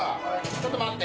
ちょっと待って。